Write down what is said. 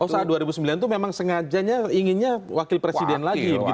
oh saat dua ribu sembilan itu memang sengajanya inginnya wakil presiden lagi